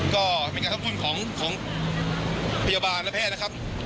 ก็มีการทำทุนของของพยาบาลและแพทย์นะครับ